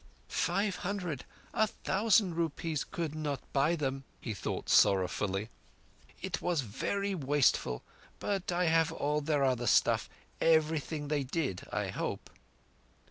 "Five hundred—a thousand rupees could not buy them," he thought sorrowfully. "It was verree wasteful, but I have all their other stuff—everything they did—I hope.